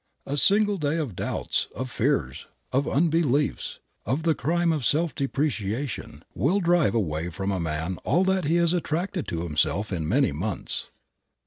A single day of doubts, of fears, of unbeliefs, of the crime of self depreciation, will drive away from a man all that he has attracted to himself in many months.